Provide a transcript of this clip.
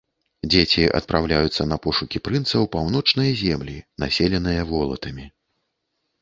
Дзеці адпраўляюцца на пошукі прынца ў паўночныя землі, населеныя волатамі.